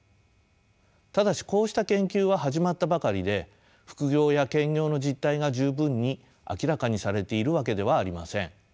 ただしこうした研究は始まったばかりで副業や兼業の実態が十分に明らかにされているわけではありません。